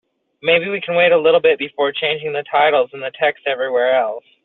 Maybe we can wait a little bit before changing the titles and the text everywhere else?